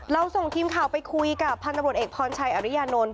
ส่งทีมข่าวไปคุยกับพันธบรวจเอกพรชัยอริยานนท์